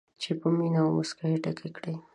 چې په مینه او موسکا یې ډکې کړي.